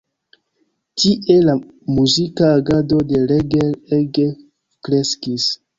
Tie la muzika agado de Reger ege kreskis.